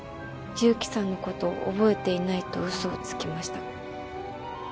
勇気さんのことを覚えていないとうそをつきました。